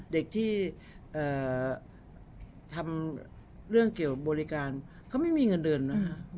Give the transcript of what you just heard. เด็กที่ทำเรื่องเกี่ยวบริการเขาไม่มีเงินเดือนนะ